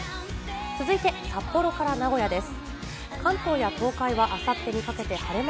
続いて札幌から名古屋です。